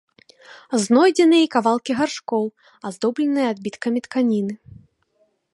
Знойдзены і кавалкі гаршкоў, аздобленыя адбіткамі тканіны.